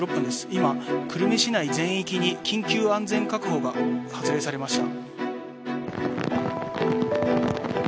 今久留米市内全域に緊急安全確保が発令されました。